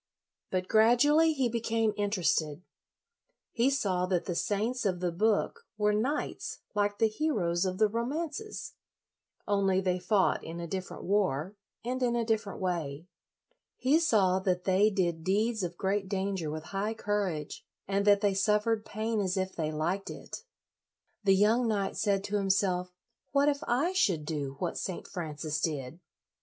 But gradually he became in 56 LOYOLA terested. He saw that the saints of the book were knights like the heroes of the romances, only they fought in a different war and in a different way. He saw that they did deeds of great danger with high courage, and that they suffered pain as if they liked it. The young knight said to himself, "What if I should do what St. Francis did?"